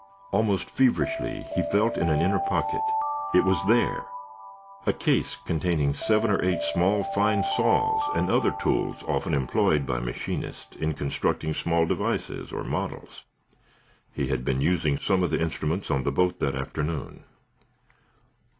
Almost feverishly he felt in an inner pocket. It was there a case containing seven or eight small, fine saws and other tools often employed by machinists in constructing small devices or models. He had been using some of the instruments on the boat that afternoon.